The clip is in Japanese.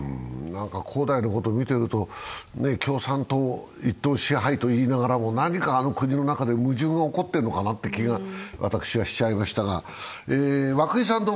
恒大のことを見ていると共産党一党支配と言いながらも何かあの国の中で矛盾が起こってるのかなという気が私はしちゃいましたが。